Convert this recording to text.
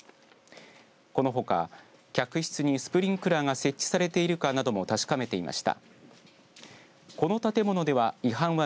このほか客室にスプリンクラーが設置されているかなども確かめていました。